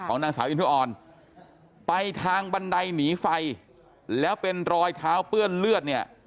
นางสาวอินทออนไปทางบันไดหนีไฟแล้วเป็นรอยเท้าเปื้อนเลือดเนี่ย